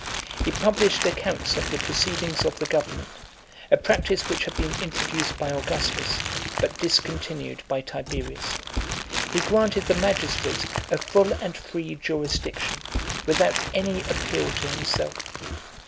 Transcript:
He published accounts of the proceedings of the government a practice which had been introduced by Augustus, but discontinued by Tiberius . He granted the magistrates a full and free jurisdiction, without any appeal to himself.